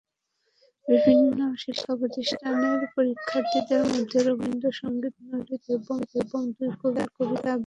বিভিন্ন শিক্ষাপ্রতিষ্ঠানের শিক্ষার্থীদের মধ্যে রবীন্দ্রসংগীত, নজরুলসংগীত এবং দুই কবির কবিতা আবৃত্তি প্রতিযোগিতা।